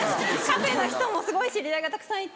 カフェの人もすごい知り合いがたくさんいて。